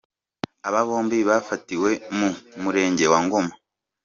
Aba bombi bafatiwe mu murenge wa Ngoma.